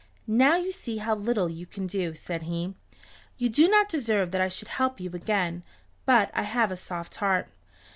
"Now you see how little you can do," said he. "You do not deserve that I should help you again, but I have a soft heart.